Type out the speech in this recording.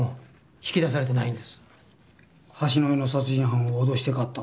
橋の上の殺人犯を脅して買った。